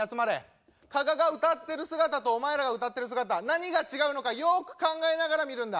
加賀が歌ってる姿とお前らが歌ってる姿何が違うのかよく考えながら見るんだ。